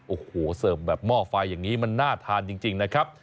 โอ้โหเสิร์ฟแบบหม้อไฟอย่างนี้มันน่าทานจริงนะครับ